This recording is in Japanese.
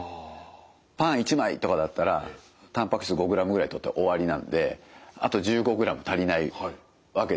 パン１枚とかだったらたんぱく質５ｇぐらいとって終わりなのであと１５ｇ足りないわけですよね。